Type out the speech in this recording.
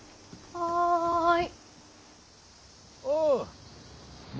はい。